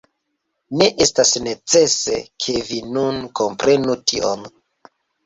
Ne estas necese, ke vi nun komprenu tion.